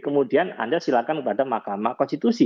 kemudian anda silakan kepada mahkamah konstitusi